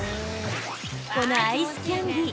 このアイスキャンディー